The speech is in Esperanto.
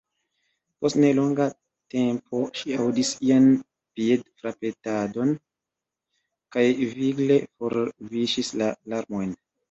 Post ne longa tempo ŝi aŭdis ian piedfrapetadon, kaj vigle forviŝis la larmojn.